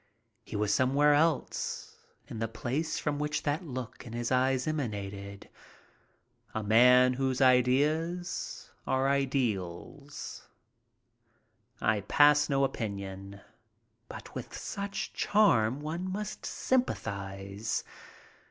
He was somewhere else in the place from which that look in his eyes emanated. A man whose ideas are ideals. I pass no opinion, but with such charm one must sympathize.